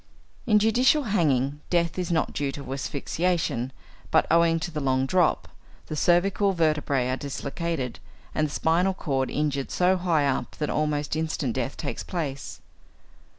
In judicial hanging, death is not due to asphyxiation, but, owing to the long drop, the cervical vertebræ are dislocated, and the spinal cord injured so high up that almost instant death takes place.